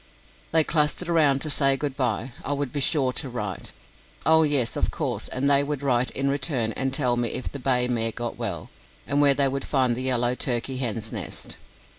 They clustered round to say good bye. I would be sure to write. Oh yes, of course, and they would write in return and tell me if the bay mare got well, and where they would find the yellow turkey hen's nest.